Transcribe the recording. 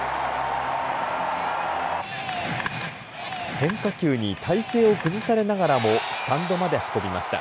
変化球に体勢を崩されながらもスタンドまで運びました。